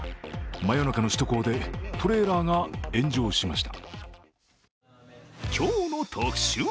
真夜中の首都高でトレーラーが炎上しました。